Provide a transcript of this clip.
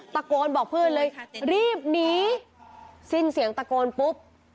ตะโกนบอกเพื่อนเลยรีบหนีสิ้นเสียงตะโกนปุ๊บ